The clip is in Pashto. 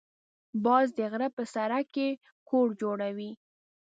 باز د غره په سر کې کور جوړوي